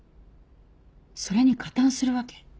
それに加担するわけ？